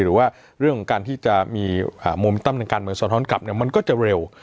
หรือว่าเรื่องของการที่จะมีมุมตั้มทางการเมืองสะท้อนกลับมันก็จะเร็ว